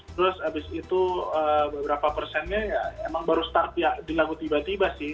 terus abis itu beberapa persennya ya emang baru start ya di lagu tiba tiba sih